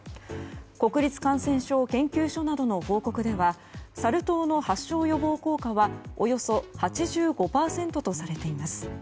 国立感染症研究所などの報告ではサル痘の発症予防効果はおよそ８５％とされています。